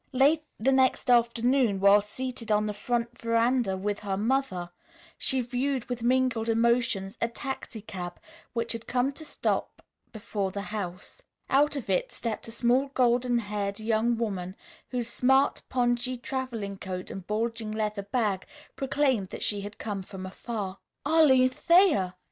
Late the next afternoon, while seated on the front veranda with her mother, she viewed with mingled emotions a taxicab which had come to a full stop before the house. Out of it stepped a small, golden haired young woman whose smart pongee traveling coat and bulging leather bag proclaimed that she had come from afar. "Arline Thayer!"